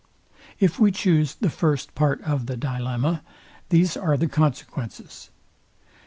If we choose the first part of the dilemma, these are the consequences.